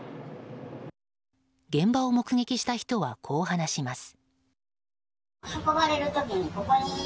現場を目撃した人はこう話します。